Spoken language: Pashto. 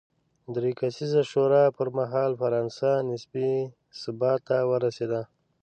درې کسیزې شورا پر مهال فرانسه نسبي ثبات ته ورسېده.